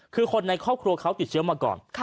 คือคนในครอบครัวเขาติดเชื้อมาก่อน